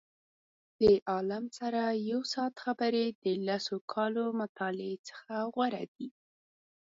د عالم سره یو ساعت خبرې د لسو کالو مطالعې څخه غوره دي.